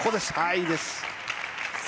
いいです！